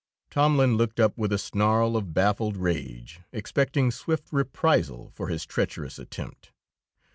Tomlin looked up with a snarl of baffled rage, expecting swift reprisal for his treacherous attempt.